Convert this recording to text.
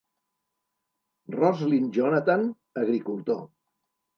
Roslin Jonathan, agricultor.